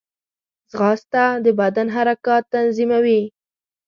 ځغاسته د بدن حرکات تنظیموي